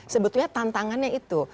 sebetulnya tantangannya itu